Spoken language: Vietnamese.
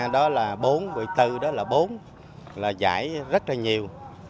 đó là bốn một mươi bốn đó là bốn là giải rất là nhiều